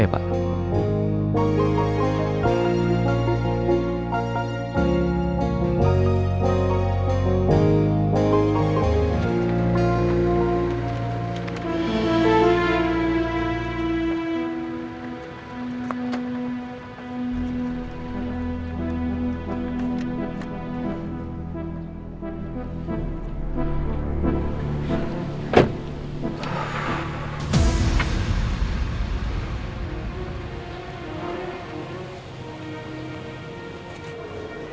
apa kabar centimetra